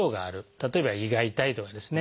例えば胃が痛いとかですね